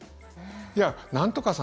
いや、なんとかさん